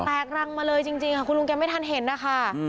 กรังมาเลยจริงค่ะคุณลุงแกไม่ทันเห็นนะคะ